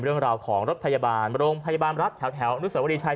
เรื่องราวของรถพยาบาลโรงพยาบาลรัฐแถวอนุสวรีชัย